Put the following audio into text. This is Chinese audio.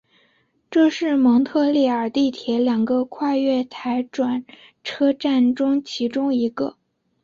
这是蒙特利尔地铁两个跨月台转车站中其中一个。